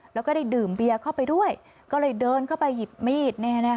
แล้วก็ได้ดื่มเบียเข้าไปด้วยก็เลยเดินเข้าไปหยิบมีด